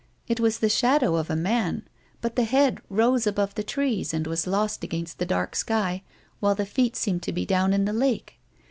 It was the shadow of a man, but the head rose above the trees and was lost against the daik sky, while the feet seemed to be down in the lake.